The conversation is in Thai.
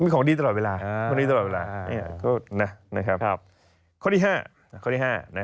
ข้อที่๕